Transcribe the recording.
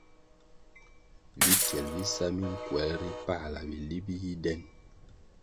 Vi kyel bisa minkwelʼ ri pala bili bi yi den.